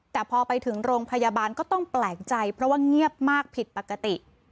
แต่พอไปถึงโรงพยาบาลก็ต้องแปลกใจเพราะว่าเงียบมากผิดปกติ